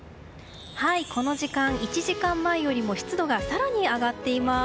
この時間、１時間前よりも湿度が更に上がっています。